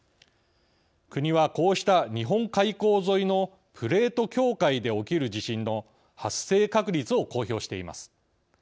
国はこうした日本海溝沿いのプレート境界で起きる地震の発生確率を公表しています。